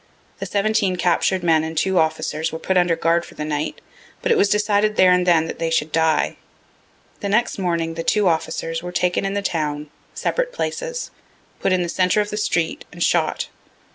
The seventeen captur'd men and two officers were put under guard for the night, but it was decided there and then that they should die. The next morning the two officers were taken in the town, separate places, put in the centre of the street, and shot.